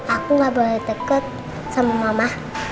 aku nggak boleh dekat sama mama